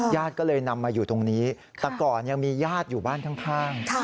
ญาติก็เลยนำมาอยู่ตรงนี้แต่ก่อนยังมีญาติอยู่บ้านข้าง